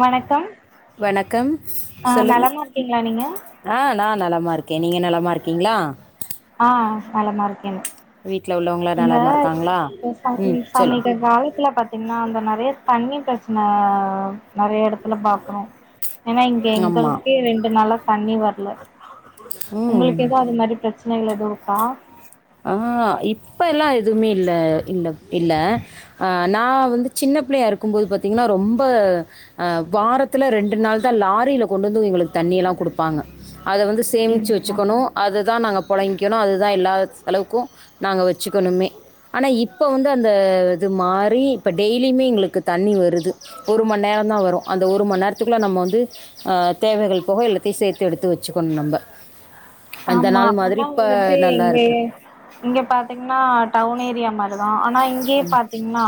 வணக்கம் வணக்கம் ஆ சொல்லுங்க நலமா இருக்கீங்களா நீங்க ஆ நா நலமா இருக்கே நீங்க நலமா இருக்கீங்களா ஆ நலமா இருக்கேங்க வீட்ல உள்ளவங் இந்த ஏ சாமி சமீப சொல்லுங்க காலத்துல பாத் தீங்னா அந்த நெறைய தண்ணி ப்ரச்சன நெறைய எடத்துல பாக்றோ ஏன்னா இங்க ஆமா எங்களுக்கே ரெண்டு நாளா தண்ணி வர்ல ம் உங்களுக்கு எதா அது மாரி ப்ரச்சனைகள் எதுவு இருக்கா ஆ இப்பல்லா எதுவுமே இல்ல இந்தப் இல்ல ஆ நா வந்து சின்ன பிள்ளையா இருக்குபோது பாத்தீங்கன்னா ரொம்ப அ வாரத்துல ரெண்டு நாள் தா லாரியில கொண்டு வந்து எங்களுக்கு தண்ணி எல்லா குடுப்பாங்க அத வந்து சேமிச்சு எங்க வச்சுக்கணு அது தா நாங்க பொழங்கிக்கணு அது தா எல்லா செலவுக்கு நாங்க வச்சுக்கணுமே ஆனா இப்போ வந்து அந்த இது மாரி இப்போ டெய்லியுமே எங்களுக்கு தண்ணி வருது ஒரு மணி நேரந்தா வரு அந்த ஒரு மணி நேரத்துக்குள்ள நம்ம வந்து ஆ தேவைகள் போக எல்லாத்தையு சேத்து எடுத்து வச்சுக்கணு நம்ப அந்த ஆமா நாள் மாதிரி ஆனா இப்ப வந்துட்டு நல்லா எங்க இருக்கு. இங்க பாத்தீங்னா டவுன் ஏரியா மாரிதா ஆனா இங்கயே பாத்தீங்னா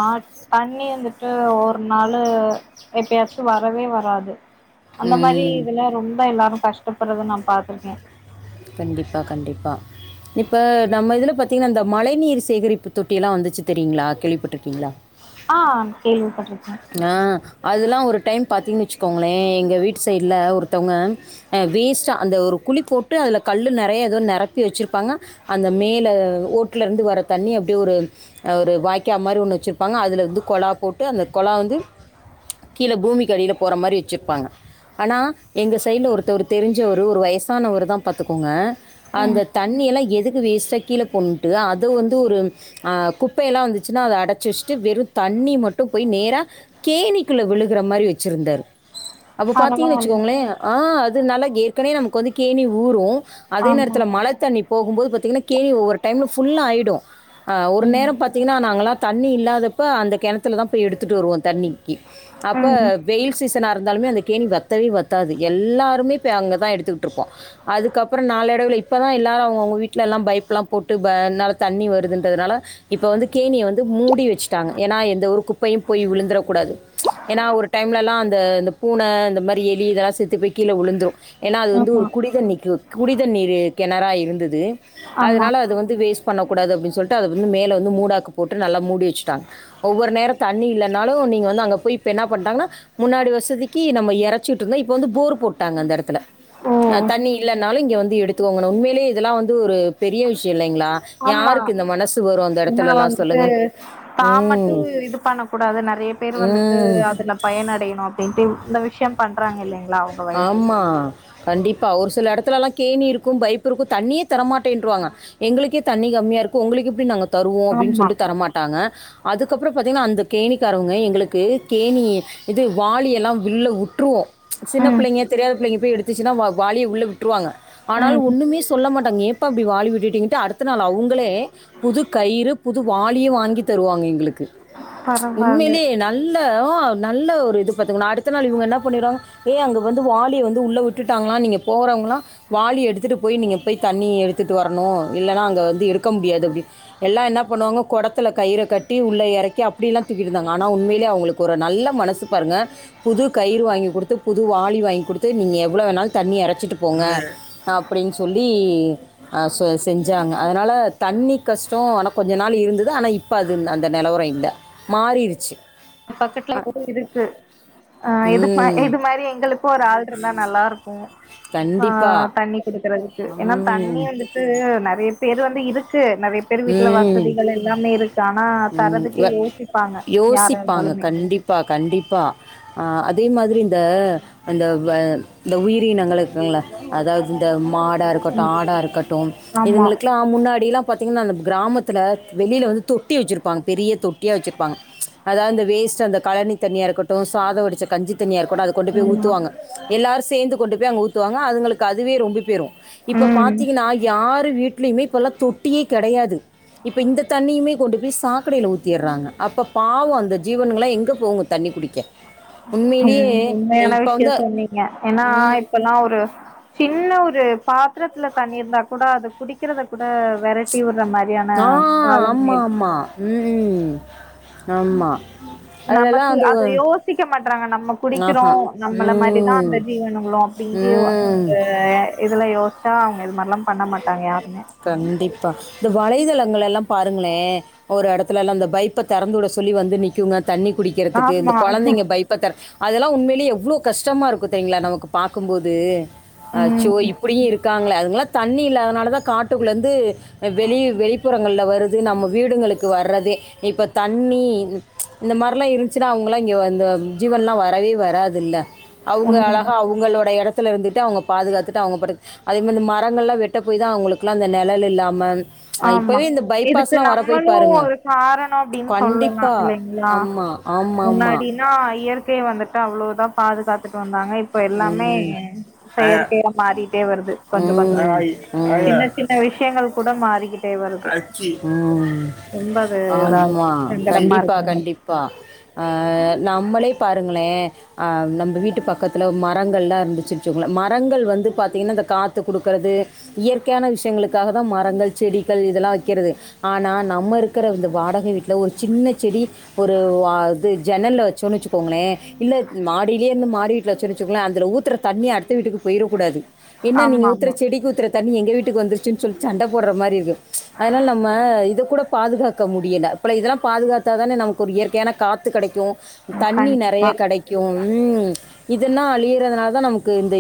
தண்ணி வந்துட்டு ஒரு நாளு எப்பயாச்சு வரவே வராது அந்த மாரி ம் இதுல ரொம்ப எல்லாரு கஷ்டப்படுறத நா பா்த்திருக்கே கண்டிப்பா கண்டிப்பா இப்ப நம்ம இதுல பாத்தீங்கனா இந்த மழை நீர் சேகரிப்பு தொட்டில்லா வந்துச்சு தெரியுங்ளா கேள்விப்பட்டுருக்கீங்ளா ஆ கேள்விப்பட்ருக்க ஆ அதெலா ஒரு டைம் பாத்தீங்கன் வச்சுக்கோங்களே எங்க வீட்டு சைடுல ஒருத்தவங்க வேஸ்ட்டா அந்த ஒரு குழி போட்டு அதில கல் நெறய எதோ நெரப்பி வச்சுருப்பாங்க அந்த மேல ஓட்டுல இருந்து வர தண்ணி அப்டியே ஒரு ஒரு வாய்க்கா மாரி ஒன்னு வச்சுருப்பாங்க அதுல வந்து கொழா போட்டு அந்த கொழா வந்து கீழ பூமிக்கடில போற மாரி வச்சிருப்பாங்க ஆனா எங்க சைட்ல ஒருத்தவரு தெரிஞ்சவரு ஒரு வயசானவருதா பாத்துக்கோங்க அந்த ம் தண்ணி எல்லா எதுக்கு வேஸ்ட்டா கீழ போண்ணுன்ட்டு அத வந்து ஒரு ஆ குப்பையெல்லா வந்துச்சுன்னா அத அடைச்சு வச்சுட்டு வெறு தண்ணி மட்டு போய் நேரா கேணிக்குல விழுகுற மாரி வச்சிருந்தாரு அப்ப பாத்தீங்க பரவால்ல வச்சுக்கோங்களே ஆ அது நல்லா ஏற்கனவே நமக்கு வந்து கேணி ஊரு அதே ஆமா நேரத்துல மழ தண்ணி போகுபோது பாத்தீங்கனா கேணி ஒவ்வொரு டைம்ல ஃபுல்லா ஆயிடு ஆ ஒரு ம் நேர பாத்தீங்கனா நாங்கலா தண்ணி இல்லாதப்ப அந்த கெணத்துலதா போய் எடுத்துட்டு வருவோ தண்ணிக்கி அப்ப ம் வெயில் சீசனா இருந்தாலுமே அந்த கேணி வத்தவே வத்தாது எல்லாருமே போய் அங்கதா எடுத்துக்கிட்ருக்கோ அதுக்கப்ற நாளடைவுல இப்போ தா எல்லோரு அவங்க அவங்க வீட்லல்லா பைப்லா போட்டு ப என்னால தண்ணி வருதுன்றதுனால இப்ப வந்து கேணிய வந்து மூடி வச்சுட்டாங்க ஏன்னா எந்த ஒரு குப்பையு போய் விழுந்துற கூடாது ஏன்னா ஒரு டைம்லல்லா அந்த இந்த பூன இந்த மாரி எலி இதெல்லா செத்து போய் கீழ விழுந்துரு ஏன்னா அது வந்து ஆமா ஒரு குடிதண்ணிக்கு குடிதண்ணீர் கெணறா இருந்துது ஆமா அதனால அது வந்து வேஸ்ட் பண்ணக்கூடாது அப்டின் சொல்லிட்டு அத வந்து மேல வந்து மூடாக்கு போட்டு நல்லா மூடி வச்சுடாங்க ஒவ்வொரு நேரத்த தண்ணி இல்லனாலு நீங்க வந்து அங்க போய் இப்போ என்ன பண்ட்டாங்கனா முன்னாடி வசதிக்கு நம்ம இறைச்சுட்டு இருந்தோ இப்ப வந்து போர் போட்டாங்க அந்த இடத்துல ஓ தண்ணி இல்லைன்னாலு இங்க வந்து எடுத்துக்கோங்க உண்மையிலயே இதெல்லா வந்து ஒரு பெரிய விஷய இல்லைங்ளா ஆமா யாருக்கு இந்த மனசு வரு அந்த ஏன்னா இடத்துலல்லா வந்துட்டு சொல்லுங்க ம் பண்ணக்கூடாது நெறய பேர் வந்துட்டு ம் அதுல பயனடையணு அப்டின்ட்டு இந்த விஷய பண்றாங்கல்லைங்ளா அவங்க வயசுக்கு கண்டிப்பா ஒரு சில இடத்துலலா கேணி இருக்கு பைப்பு இருக்கு தண்ணியே தரமாட்டேன்ருவாங்க எங்களுக்கே தண்ணி கம்மியா இருக்கு உங்களுக்கு எப்டி நாங்க தருவோ அப்டின் ஆமா சொல்ட்டு தரமாட் டாங்க. அதுக்கப்ற பாத்தீங்கனா அந்த கேணிக்காரவங்க எங்களுக்கு கேணி.. இது வாளி எல்லா வில்ல உட்.... விட்டு்ருவோ சின்ன ம் பிள்ளைங்க தெரியாத பிள்ளைங்க போய் எடுத்துச்சுன்னா வா வாளிய உள்ள விட்ருவாங்க ஆனாலு ம் ஒன்னுமே சொல்ல மாட்டாங்க ஏம்ப்பா இப்படி வாளி விட்டுட்டிங்கன்ட்டு அடுத்த நாள் அவுங்களே... புது கயிறு புது வாளியே வாங்கி தருவாங்க எங்களுக்கு.. பரவால்ல உண்மைலயே நல்ல நல்ல இது பாத்துங்க நா அடுத்த நாள் இவங்க என்ன பண்ணிடுவாங்க ஏ அங்க வந்து வாளிய வந்து உள்ள விட்டுட்டாங்களா நீங்க போறவங்களா.. வாளி எடுத்துட்டு போய் நீங்க போய் தண்ணி எடுத்துட்டு வரணு இல்லனா அங்க வந்து இருக்க முடியாது அப்டி எல்லா என்ன பண்ணுவாங்க குடத்துல கயிற கட்டி உள்ள எறக்கி அப்டியெல்லா தூக்கிட்டு இருந்தாங்க ஆனா உண்மையிலே அவங்களுக்கு... கொருநல்ல மனசு பாருங்க புது கயிறு வாங் [unintelligible] குடுத்து புது வாலி வாங்கி குடுத்து நீங்க எவ்வள வேணாலு தண்ணி எரைச்சிட்டு போங்க அப்டின்னு சொல்லி.... அ செ செஞ்சாங்க அதனால தண்ணி கஷ்டம் ஆனா கொஞ்ச நாள் இருந்தது ஆனா இப் இப்ப அது இல்ல அந்த நெலவரம் இல்ல மாறிடுச்சு பக்கத்துல [inaudible] இருக்கு அ இது ம் இது மாரி எங்களுக்கு ஒரு ஆள் இருந்தா நல் நல்லா இருக்கும் அ கண்டிப்பாக தண்ணி குடுக்குறதுக்கு ஏன்னா தண்ணி ம் வந்து இருந்துட்டு நறைய பேரு வந்து இது க்கு நறைய பேர் வீட்டுல ம் வசதிகள் எல்லாமே இருக்கு ஆனா ம், தரதுக்கே இவ- யோசிப்பாங்க.. யாரா யோசிப்பாங்க இருந்தாலுமே கண்டிப்பா கண்டிப்பா அதே மாதிரி இந்த அந்த வ இந்த உயிரினங்கள் இருக்குல அதாவது இந்த மாடா இரு [unintelligible] ம் ஆடா இருக்கட்டும் ஆமா இதுங்களுக்குல்லா முன்னாடியெல்லா பத். பாத்தீங்கன்னா இந்த கிராமத்துல வெளியில வந்து தொட்டி வச்சிருப்பாங்க பெரிய தொட்டியா வச்சிருப்பாங்க அதாவது வேஸ்ட் அந்த கழனி தண்ணியா இருக்கட்டு சாதம் வடிச்ச கஞ்சி தண்ணியா இருக்கட்டு அதுக் கொண்டு போய் ஆமா ஊத்துவாங்க எல்லாரு சேந்து கொண்டு போய் அங்க ஊத்துவாங்க அதுங்களுக்கு அதுவே ரொம்பிபோய்டும் இப்ப ம் பாத்தீங்கன்னா யாரு வீட்டுலையுமே இப்பெல்லாம் தொட்டியே கெடையாது இப்ப இந்த தண்ணியுமே கொண்டு போய் சாக்கடையில ஊத்திடுறாங்க அப்ப பாவம் அந்த ஜீவனுகல்லா எங்க போங்கு தண்ணி குடிக்க உண்மையிலேயே ம் உண்மையான இப்போ வந்து விஷயம் சொன்னிங்க ஏன்னா ம் இப்பல்லா ஒரு சின்ன ஒரு பாத்திரத்துல தண்ணி இருந்தா கூட அத குடிக்கிறத கூட வெரட்டி விடுற மாரியான ஆ காலம் ஆமாம் ஆய்டுச்சு ஆமாம் ம் ஆமா நமக்கு அத யோசிக்க மாட்றாங்க நம்ம குடிக்கிறோ ஆஹா நம்மல மாரிதான் ம் அந்த ஜீவனங்களும் இங்கயு ம் அ இதெலாம் யோசிச்சா அவங்க இது மாரிலாம் பண்ண மாட்டாங்க யாருமே கண்டிப்பா இந்த வலைதளங்கள் எல்லா பாருங்களே ஒரு எடத்துல எல்லா அந்த பைப்ப தெறந்து விட சொல்லி வந்து நிக்குங்க தண்ணி குடிக்கிறதுக்கு இந்த ஆமா கொழந்தைங்க பைப் [inaudible] அதெல்லாம் உண்மையிலயே எவ்ளோ கஷ்டமா இருக்கும் தெரியுங்களா நமக்கு பாக்கும்போது அச்சோ ம் இப்டியு இருக்காங்களே அதுங்களா தண்ணி இல்லாதுனாலதா காட்டுக்குள்ள இருந்து வெளியு வெளிப்புறங்கல்லா வருது நம்ம வீடுகளுக்கு வர்றதே இப்போ தண்ணி இந்த மாரிலாம் இருந்துச்சுன்னா அவங்களா இங்க அந்த ஜீவன்ல்லா வரவே வராதுல அவங்க உண்மதா அழகா அவங்களோட எடத்துல இருந்துட்டு அவங்க பாதுகாத்துட்டு அவங்க பாட்டுக்கு அதே மாதிரி மா மரங்கள்லாம் வெட்ட போய் தா அவங்களுக்கெல்லா அந்த நெழல் இல்லாமா ஆமா இப்பவே இந்த பைபாஸ் இதுக்கு எல்லா வரப்போய் நம்மளும் பாருங்க ஒரு காரணோ அப்டின்னு சொல்லலா கண்டிப்பா ஆமா ஆமா ஆமா அ இயற்கை வந்துட்டு அவ்ளோதான் பாதுகாத்து கொண்டுட்டு வந்தாங்க இப்ப எல்லாமே ம் ஆயா செயற்கையா மாறிட்டே வருது கொஞ்சம் ம் கொஞ்சமா ஆயா ஆயா சின்ன சின்ன சில விஷயங்கள் கூட மாறி ரொம்ப அது [unintelligible] இதா இருக்கு ஆமா சங்கடமா கண்டிப்பா இருக்கு கண்டி, நமக்கு அப்ப அ நம்மளே பாருங்களே அ நம்ம வீட்டு பக்கத்துல மரங்கள்லா இருந்துச்சு [unintelligible] மரங்கள் வந்து பாத்திங்கன்னா இந்த காத்து குடுக்குறது இயற்கையான விஷயங்களுக்காக தான் மரங்கள் செடி பள் இதெல்லா வைக்கிறது ஆனா நம்ம இருக்கிற இந்த வாடகை வீட்டில ஒரு சின்ன செடி ஒரு அ இது ஜன்னல்ல வச்சான் வச்சுக்கோங்களே இல்ல மாடியில இருந்து மாடி வீட்டல வச்சுச்சுங்களே அ ஊத்தற தண்ணி அடுத்த வீட்டுக்கு போயிரக்கூடாது என்ன நீங்க ஆமா ஊத்தற ஆமா செடிக்கு ஊத்துற தண்ணி எங்க வீட்டுக்கு வந்துருச்சுன் சொல்லி சண்ட போடுற மாரி இருக்கு அதனால நம்ம இது கூட பாதுகாக்க முடியல இப்ப இதெல்லா பாதுகாத்தாதானே நமக்கு ஒரு இயற்கையான காத்து கெடைக்கு தண்ணி கண்டிப்பா நெறைய கெடைக்கும் இதெல்லா அழிய்ரதுனால தா நமக்கு இந்த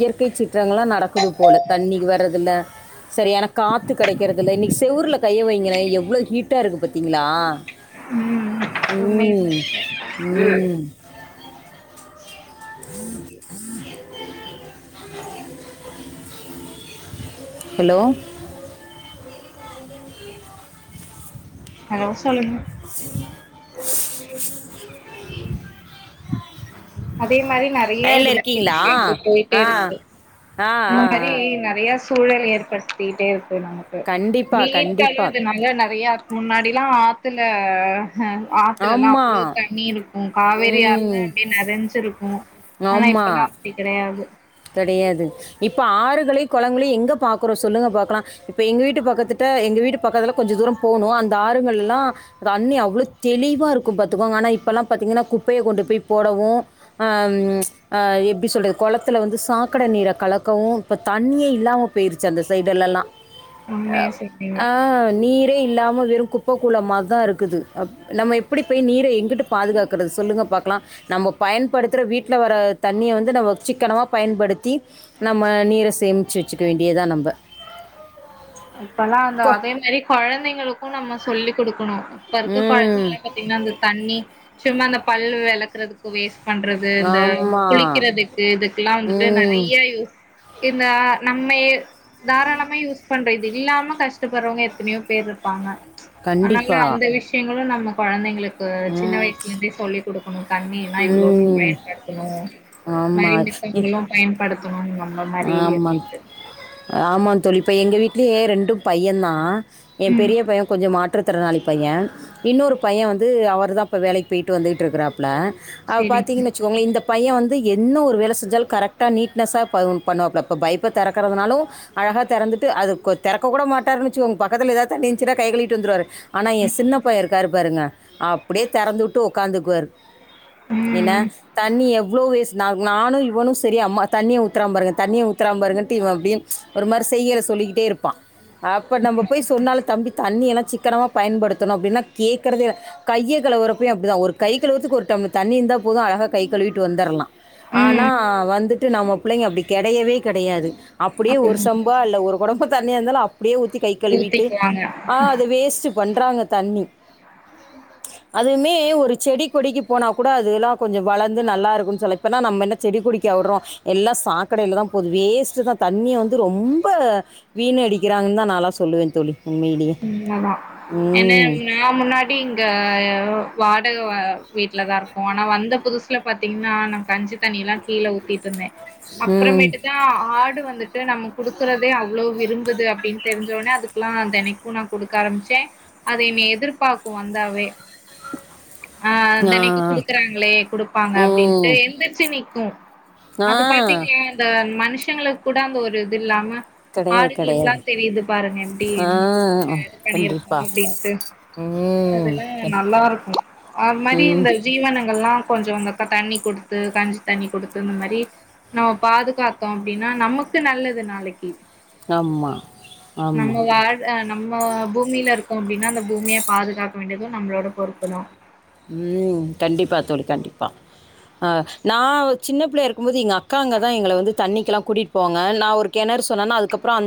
இயற்கை சீ்றங்கள்லா நடக்குது போல தண்ணிக்கு வர்றதில்ல செரியானா காத்து கெடை கல் இன்னிக் செவூர்ல கைய வைங்களேய் எவ்ளவ் ஹீட்டா இருக்கு பாத்தீங்ளா ம் உண்மைய ம் சொன்னீங்க ம் ஹெலோ அலோ சொல்லுங்க அதே மாரி நெறைய லைனில் இர்குது இப் இருக்கீங்களா கேட் போய் போயிட்டே ஆ இருக்கு ஆ அந்த ஆ ஆ மரிய் நெறைய சூழல் ஏற்படுத்திட்டே இருக்கு நமக் கு கண்டிப்பாக ஹீட்டாலுய் இப் இந்த கண்டிப்பாக மாரில நெறைய இருக் முன்னாடிலா ஆத்துல ஹ ஆத்துலலா அவ்ளோ ஆமாம் தண்ணி இருக்கும் காவேரி ஆத்லா ம் டிப் நெறைஞ்சிருக்கு ஆனா இப்பெல்லா அப்டி கெடையாது கெடையாது இப்ப ஆறுகளையு குழங்களையு எங்க பாக்குறோ சொல்லுங்க பாக்லா இப்ப எங்க வீட்டு பக்கத்துட்ட எங்க வீட்டு பக்கத்துல கொஞ்ச தூர போணு அந்த ஆறுகள்லா தண்ணி அவ்ளோ தெளிவாருக்கு பாத்துக்கோங்க ஆனா இப்பலா பாத்திங்கன்னா குப்பய கொண்டுட் போய் போடவு அ எப்டி சொல்றது குளத்துல வந்து சாக்கட நீர கலக்கவு இப்ப தண்ணியே இல்லாம போயிருச்சு அந்த சைடுலலாம் உண்மைய சொன்னீங்க ஆ நீரே இல்லாம வெறு குப்ப குளமார்தா இருக்குது அப் நம்ம எப்டி போய் நீரை எங்கட்டு பாதுகாக்கறது சொல்லுங்க பாக்லா நம்போ பயன்படுத்துற வீட்ல வர தண்ணிய வந்து நம்ம சிக்கனமா பயன்படுத்தி நம்ம நீர சேம்சு வச்சுக்க வேண்டியதா நம்ப இப்பல்லா அந்த கொ அதேமேரி குழந்தைங்களுக்கு நம்ம சொல்லிக் குடுக்கணு பர்து ம். குழ்ந்திங்லா பாத்தீங்னா அந்த தண்ணி சும்மா அந்த பல்லு விளக்குறதுக் கு வேஸ்ட் பண்றது இந்த ஆமா. குளிக்கிறதுக்கு இதுக்கிலா வந்துட்டு ம். நெறைய இந்த நம்மே இத் தாராளமா யூஸ் பண்ற இது இல்லாம கஷ்டப்படுறவங்க எத்தனையோ பேரு இர் பாங்க அத்னால கண்டிப்பா. அந்த விஷ்யங்களு நம்ம குழந்தைங்ளுக் கு சின்ன ம். வய்ச்லந்தே சொல்லி குடுக்குணு தண்ணினா இவ்ளோதா ம். பயன்படுத்துணு ஆமா. பயன்டு இ பத்தவங்களு பயன்படுத்துணு நம்ம மாரி இரு ஆமாங் ஆமா தோழி இப்ப எங்க வீட்லியே ரெண்டு பையந்தா என ம் பெரிய பைய கொஞ்ச மாற்றுத்திறனாளி பைய இன்னொரு பைய வந்து அவர் தா இப்ப வேலைக் பேயிட்டு வந்துகிட் இருக்கிறா ப்ல அவ செரிங்க பாத்தீங்ன் னச்சு உங்ளியு இந்த பைய வந்து என்ன ஒரு வேல செஞ்சாலு கரெட்டா நீட்னஸ்ஸா ப பண்ணுவாப்ல இப்ப பைப்ப திறக்கறதுனாலு அழகா தெறந்துட்டு அது கொ தெறக்க கூட மாட்டாருன் னுச்சுகோங் பக்கத்துல ஏதாது தண்ணி இன்சுனா கை கழிட்டு வந்துருவாரு ஆனா எ சின்ன பைய இருக்காரு பாருங்க அப்டே தெறந்து வுட்டு உக்காந்துக்குவாரு என்ன ம் தண்ணி எவ்ளோ வேஸ் நாங் நானு இவனு செரி அம்மா தண்ணிய ஊத்றா பாருங்க தண்ணிய ஊத்தற பாருங்கன்டு இவ அப்டியேன் ஒரு மாரி செய்கைல சொல்லிக்கிட்டே இருப் பா அப்ப நம்ப போய் சொன்னால தம்பி தண்ணியெலா சிக்கனமா பயன்படுத்தணு அப்டின்னா கேக்கறது இல் கைய கலவுரறப்ப அப்டிதா ஒரு கை கழுவத்திற்கு ஒரு டம்ள தண்ணி இருந்த போது அழகாக கை கழுவிட்டு வந்துர்லா ஆனா ம் வந்துட்டு நம்ம புள்ளைங்க அப்டி கெடையவே கெடையாது அப்புடியே ஒரு செம்பா இல்ல ஒரு குடம்பு தண்ணியாந்தாலு அப்டியே ஊத்தி கை கழுவிட்டு ஊத்திக்குவாங்க அ அது வேஸ்ட்டு பண்றாங்க தண்ணி அதுவுமே ஒரு செடி கொடிக்கு போனா கூட அது எல்லா கொஞ்ச வளர்ந்து நல்லா இருக்குன்னு சொல்ல இப்போனா நம்ம என்ன செடி கொடிக்கா விடுறோ எல்லா சாக்கடையிலதா போது வேஸ்ட்தா தண்ணி வந்து ரொம்ப வீணடிக்கிறாங்கன்னுதா நாலா சொல்லுவே தோழி உண்மையிலயே உண்மதா ஏன்னா ம் நா முன்னாடி இங்க வாடக வ வீட்லதா இருக்கோ ஆனா வந்த புதுசு ட்ல பாத்தீங்கன்னா நா கஞ்சி தண்ணிலா கீழே ஊத்திட்டுருந்த ம். அப்பறமேட்டுதா ஆடு வந்துட் நம்ம குடுக்குறதே அவ்ளோ விரும்புது அப்டினு தெரிஞ்சொனே அதுக்லாம் தெனைக் கு நா குடுக்க ஆரம்பிச்சே அது என்னைய எதிர்பார்க்கு வந்தாவே ஆ தெனைக்கு ஆ. குடுக்குறாங்களே குடுப்பாங்க அப்டின்ட்டு ம். எந்திரிச்சு நிக்கு ஆ. அது பாத்தீங்கலா அந்த மனுஷங்களுக்கு கூட அந்த ஒரு இது இல்லாம கெடையாது, ஆடுங்களுக்குலா கெடையாது. தெரியுது பாருங்க எப்டின் ஆ ஆ அ பண்ணிருக்கோ அப்டின்ட்டு அதெல்லா நல்லா இருக்கு அது மாரி ம். இந்த ஜீவனங்கள்லா கொஞ்சம் [unintelligible] தண்ணி குடுத்து கஞ்சி தண்ணி குடுத்து இந்த மாரி நம்ம பாதுகாத்தோ அப்டினா நமக்கு நல்லது நாளைக்கி ஆமா. ஆமா. நம்ம வாழ் ஆ நம்ம பூமியில இருக்கோ அப்டினா அந்த பூமிய பாதுகாக்க வேண்டியதும் நம்மளோட பொறுப்புதா ம் கண்டிப்பா தோழி கண்டிப்பா அ நா சின்ன பிள்ளயா இருக்கும் போது எங்க அக்காங்கதா எங்கள வந்து தண்ணிக்குலா கூட்டிட்டு போவாங்க நா ஒரு கெணறு சொன்னன்னா அதுக்கப்ரோ அந்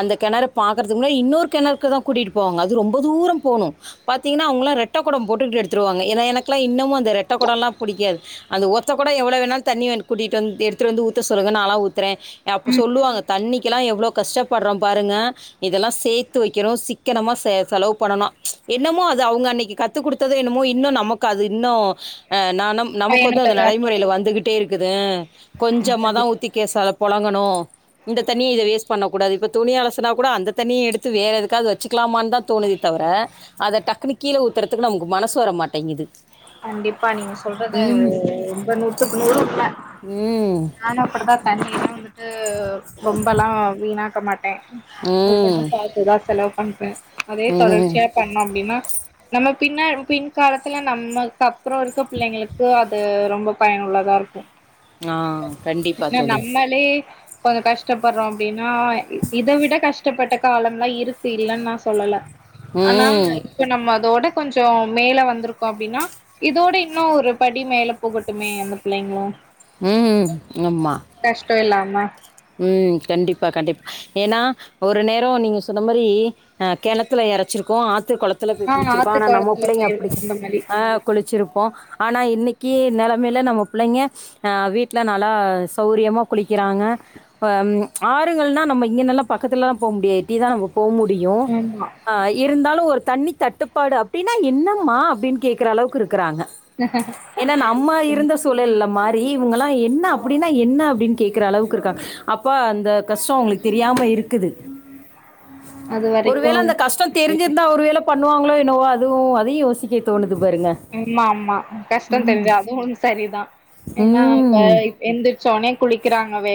அந்த கெணர பாக்குறதுகு முன்னாடி இன்னொரு கெணறுக்குதா கூட்டிட்டு போவாங்க அது ரொம்ப தூரம் போணு பாத்தீங்கன்னா அவங்கலா ரெட்டக் கொடம் போட்டுக்கிட்டு எத்துருவாங்க ஏ எனக்குலா இன்னமும் அந்த ரெட்டக்கொடம்லா புடிக்காது அந்த ஒத்த கொட எவ்ளோ வேணாலு தண்ணி வந் கூட்டிட்டு வந் எடுத்துட்டு வந்து ஊத்த சொல்லுங்க நாலா ஊத் றேன் அப்ப சொல்லுவாங்க தண்ணிக்குலா எவ்ளோ கஷ்டப்படுறோம் பாருங்க இதெல்லா சேர்த்து வெக்கணு சிக்கனமா செ செலவு பண்ணணு என்னமோ அது அவங்க அன்னைக்கு கத்து குடுத்தது என்னமோ இன்னு நமக்கு அது இன்னு ஆ நான நமக்கு வந்து அந்த பயனுள்ளதா நடைமுறையில வந்துகிட்டே இருக்குது கொஞ்சமாதா இருக்கு. ஊத்தி கேசா புழங்கணு இந்த தண்ணிய இத வேஸ்ட் பண்ண கூடாது இப்ப துணி அலசுனா கூட அந்த தண்ணிய எடுத்து வேற எதுக்காவது வச்சு க்லாமான்னு தான் தோணுதே தவிர அத டக்குனு கீழ ஊத்துறதுக்கு நமக்கு மனசு வரட்டேங்குது கண்டிப்பா நீங்க சொல்றது ரொம்ப நூத்துக்கு நூறு உண்ம ம். நானு அப்டிதா தண்ணியலா வந்துட்டு ரொம்பலாம வீணாக்க மாட்டே ம். [unintelligible] பாத்துதா செலவு பண்றே அதே ம். தொடர்ச்சியா பண்ண அப்டினா நம்ம பின்ன பின் காலத்துல நம்ம கப்புறம் இருக்க பிள்ளைங்களுக்கு அது ரொம்ப பயனுள்ளதாருக்கு ஆ கண்டிப்பா ந தோழி. நம்மளே கொஞ்சொ கஷ்டப்படுறோ அப்டினு ஆ இத விட கஷ்டப்பட்ட காலம்லா இருக்கு இல்லன்னு நா சொல்லல ஆனா ம். இப்ப நம்ம அதோட கொஞ்சொ மேல வந்திருக்கோ அப்டினா இதோட இன்னு ஒரு படி மேல போகட்டுமே அந்த பிள்ளைங்களும் ம் ம் ஆமா கஷ்டோ இல்லாம ம் கண்டிப்பா கண்டிப்பா ஏனா ஒரு நேரொ நீங்க சொன்ன மாரி ஆ கிணத்துல இறைச்சிருக்கோ ஆத்து குளத்துல போய் ஆ புடிச்சிருக்கோ ஆத்து ஆனா நம்ம காலத்துல பிள்ளைங்க போயிருக்கோ அப்டி அந்த மாரி குளிச்சிருப்போம் ஆனா இன்னைக்கி நெலமையில நம்ம பிள்ளைங்க ஆ வீட்ல நல்லா சௌரியமா குளிக்கிறாங்க அம் ஆறுகள்னா நம்ம இங்கனலா பக்கத்துலலா போ முடியாது எட்டிதா நம்ம போ முடியும் ஆமா ஆ இருந்தாலும் ஒரு தண்ணி தட்டுப்பாடு அப்டினா என்னம்மா அப்டினு கேக்குற அளவுக்கு இருக்குறாங்க ஏனா நம்ம ம் இருந்த சூழல் இல்ல மா ரி இவுங்களா என்ன அப்டினா என்ன அப்டினு கேக்குற அளவுக்கு இருக்காங்க அப்ப அந்த கஷ்டொ அவுங்ளுக்கு தெரியாம இருக்குது அது வரைக்கு ஒருவேள அந்த கஷ்டொ தெரிஞ்சிருந்தா ஒருவேள பண்ணுவாங்ளோ என்னோவோ அதுவும் அதையும் யோசிக்க தோணுது பாருங்க ஆமா ஆமா கஷ்டோ தெரிஞ்சா அதுவும் செரிதான் ஏன்னா இப்ப ம். எந்திரிச்ச ஒன்னே குளிக்கிறாங்க வே